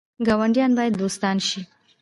ګاونډیان باید دوستان شي